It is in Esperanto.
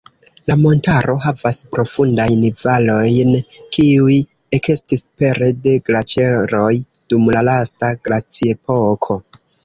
La montaro havas profundajn valojn, kiuj ekestis pere de glaĉeroj dum la lasta glaciepoko.